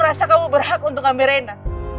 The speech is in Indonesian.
rasa kamu berhak untuk ambil rena